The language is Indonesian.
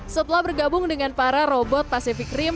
setelah bergabung dengan para robot pacific rim